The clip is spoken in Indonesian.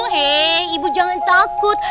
hei ibu jangan takut